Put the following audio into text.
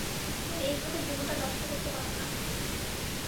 তুমি এইভাবে জীবনটা নষ্ট করতে পার না।